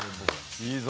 いいぞ。